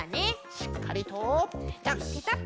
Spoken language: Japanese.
しっかりとペタッ！